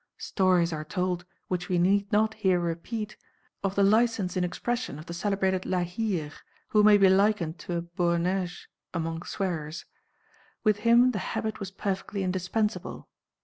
Stories are told, which we need not here repeat, of the licence in expression of the celebrated La Hire, who may be likened to a Boanerges among swearers. With him the habit was perfectly indispensable.